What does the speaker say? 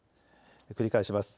繰り返します。